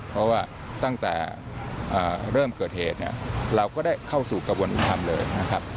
เพราะว่าตั้งแต่เริ่มเกิดเหตุเนี่ยเราก็ได้เข้าสู่กระบวนธรรมเลยนะครับ